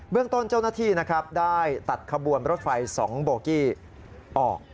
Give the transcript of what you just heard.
เรื่องต้นเจ้าหน้าที่นะครับได้ตัดขบวนรถไฟ๒โบกี้ออก